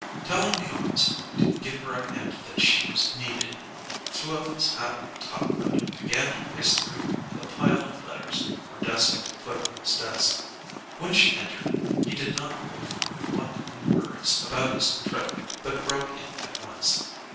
Telling the office boy to give her a hint that she was needed, he threw off his hat and topcoat and began to race through the pile of letters Ardessa had put on his desk. When she entered, he did not wait for her polite inquiries about his trip, but broke in at once.